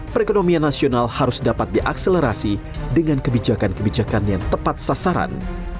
perekonomian nasional harus dapat diakselerasi dengan kebijakan kebijakan yang tepat sasaran